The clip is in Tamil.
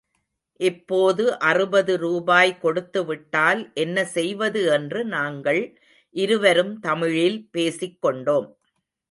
இப்போது அறுபது ரூபாய் கொடுத்து விட்டால் என்ன செய்வது என்று நாங்கள் இருவரும் தமிழில் பேசிக் கொண்டோம்.